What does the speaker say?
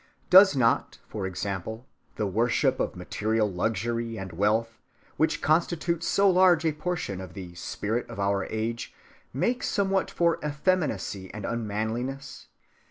Does not, for example, the worship of material luxury and wealth, which constitutes so large a portion of the "spirit" of our age, make somewhat for effeminacy and unmanliness?